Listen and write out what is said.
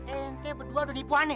ente berdua udah nipu ane